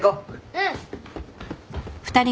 うん。